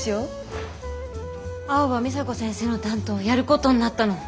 青葉美砂子先生の担当やることになったの。